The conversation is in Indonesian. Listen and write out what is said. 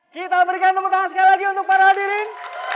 kita berikan tepuk tangan sekali lagi untuk para hadirin